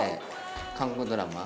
韓国ドラマ？